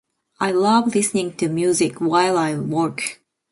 I love listening to music while I work.